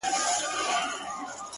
پاچا صاحبه خالي سوئ؛ له جلاله یې؛